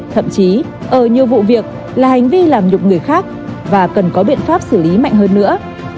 thậm chí ở nhiều vụ việc là hành vi làm nhục người khác và cần có biện pháp xử lý mạnh hơn nữa